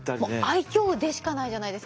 愛嬌でしかないじゃないですか。